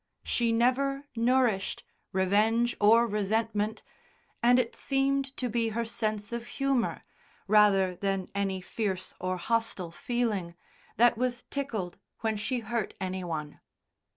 She never nourished revenge or resentment, and it seemed to be her sense of humour (rather than any fierce or hostile feeling) that was tickled when she hurt any one.